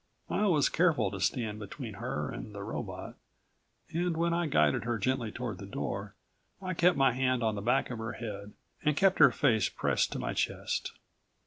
I was careful to stand between her and the robot, and when I guided her gently toward the door I kept my hand on the back of her head and kept her face pressed to my chest.